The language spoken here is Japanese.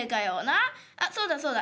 あそうだそうだ。